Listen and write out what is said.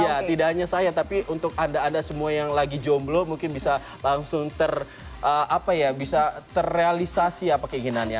iya tidak hanya saya tapi untuk anda anda semua yang lagi jomblo mungkin bisa langsung terrealisasi apa keinginannya